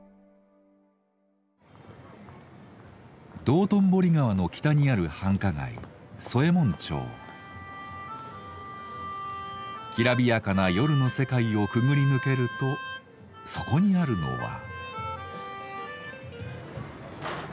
道頓堀川の北にある繁華街きらびやかな夜の世界をくぐり抜けるとそこにあるのは。